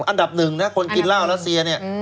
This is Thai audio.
อันดับหนึ่งนะคนกินเหล้ารัสเซียเนี่ย